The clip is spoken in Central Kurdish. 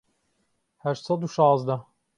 هەشت سەد و شازدە